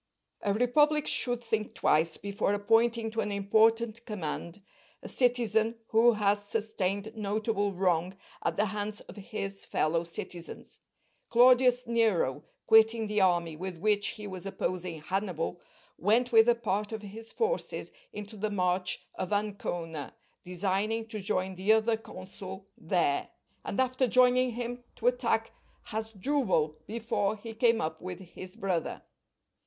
_ A republic should think twice before appointing to an important command a citizen who has sustained notable wrong at the hands of his fellow citizens. Claudius Nero, quitting the army with which he was opposing Hannibal, went with a part of his forces into the March of Ancona, designing to join the other consul there, and after joining him to attack Hasdrubal before he came up with his brother.